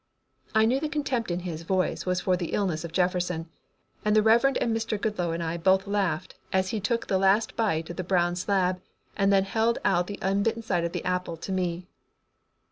I knew the contempt in his voice was for the illness of Jefferson, and the Reverend Mr. Goodloe and I both laughed as he took the last bite of the brown slab and then held out the unbitten side of the apple to me.